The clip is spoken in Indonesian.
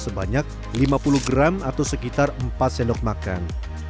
sebanyak lima puluh gram atau sekitar empat sendok makan